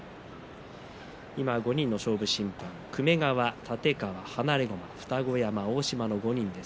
今５人の勝負審判粂川、立川、放駒、二子山大島の５人です。